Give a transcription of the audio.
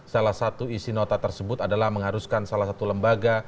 salah satu isi nota tersebut adalah mengharuskan salah satu lembaga